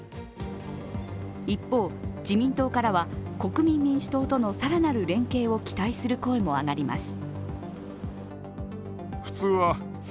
一方、自民党からは国民民主党との更なる連携も期待する声も上がります。